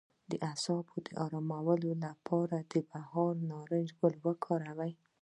د اعصابو د ارام لپاره د بهار نارنج ګل وکاروئ